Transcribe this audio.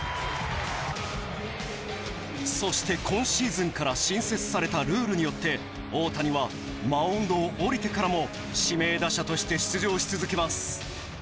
そして今シーズンから新設されたルールによって大谷はマウンドを降りてからも指名打者として出場し続けます。